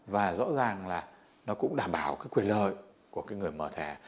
và rõ ràng là nó cũng đảm bảo cái quyền lời của cái người mở thẻ